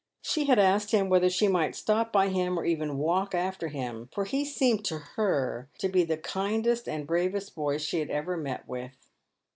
She had asked him whether she might stop by him or even walk after him, for he seemed to her to be the kindest and bravest boy she had ever met with.